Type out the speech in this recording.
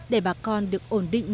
để bà con được ổn định